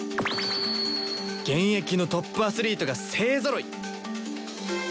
現役のトップアスリートが勢ぞろい！